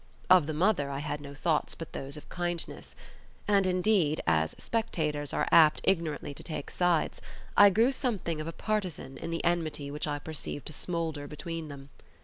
Of the mother I had no thoughts but those of kindness. And indeed, as spectators are apt ignorantly to take sides, I grew something of a partisan in the enmity which I perceived to smoulder between them.